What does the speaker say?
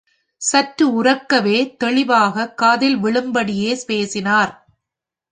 சற்று உரக்கவே தெளிவாக காதில் விழும்படியே பேசினார்.